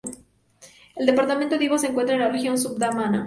El departamento de Divo se encuentra en la región Sud-Bandama.